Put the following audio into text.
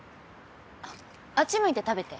あっち向いて食べて。